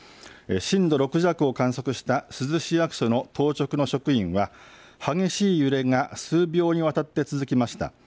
震度６弱を観測した珠洲市役所の当直の職員は激しい揺れが数秒にわたって続きました。